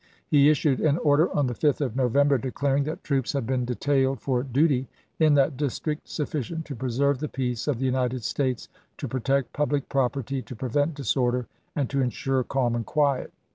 He issued an order on the 5th of November declaring that troops lse*. had been detailed for duty in that district sufficient to preserve the peace of the United States, to pro tect public property, to prevent disorder, and to insure calm and quiet.